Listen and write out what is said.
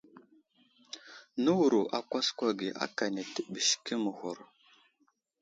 Nəwuro akwaskwa akane təɓəske məghur.